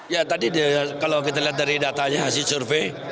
ya tadi kalau kita lihat dari datanya hasil survei